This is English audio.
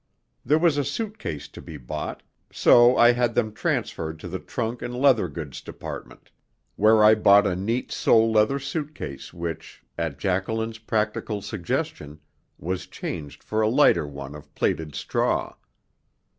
There was a suit case to be bought, so I had them transferred to the trunk and leather goods department, where I bought a neat sole leather suit case which, at Jacqueline's practical suggestion, was changed for a lighter one of plaited straw.